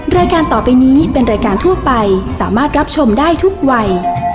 รายการต่อไปนี้เป็นรายการทั่วไปสามารถรับชมได้ทุกวัย